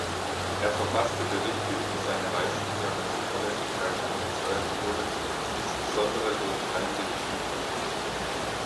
Er verfasste Berichte über seine Reisen, deren Zuverlässigkeit angezweifelt wurde, insbesondere durch Heinrich Kiepert.